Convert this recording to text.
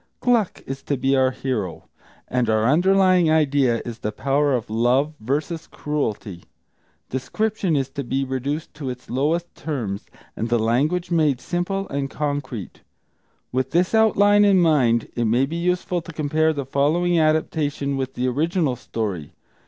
Gluck is to be our hero, and our underlying idea is the power of love versus cruelty. Description is to be reduced to its lowest terms, and the language made simple and concrete. With this outline in mind, it may be useful to compare the following adaptation with the original story.